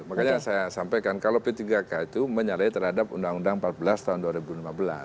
makanya saya sampaikan kalau p tiga k itu menyalahi terhadap undang undang empat belas tahun dua ribu lima belas